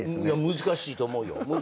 難しいと思うよ。